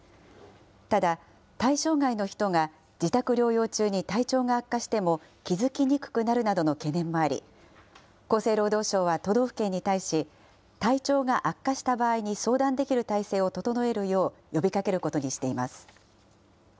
ただ、対象外の人が自宅療養中に体調が悪化しても気付きにくくなるなどの懸念もあり、厚生労働省は都道府県に対し、体調が悪化した場合に相談できる体制を整えるよう呼びかけることにしています。